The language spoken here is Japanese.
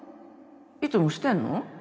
いつもしてんの？